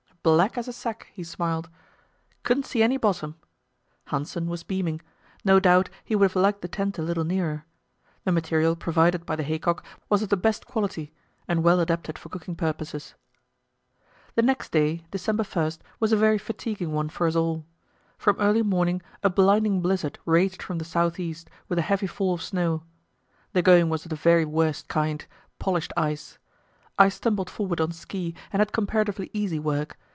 "Black as a sack," he smiled; "couldn't see any bottom." Hanssen was beaming; no doubt he would have liked the tent a little nearer. The material provided by the haycock was of the best quality, and well adapted for cooking purposes. The next day, December 1, was a very fatiguing one for us all. From early morning a blinding blizzard raged from the south east, with a heavy fall of snow. The going was of the very worst kind polished ice. I stumbled forward on ski, and had comparatively easy work.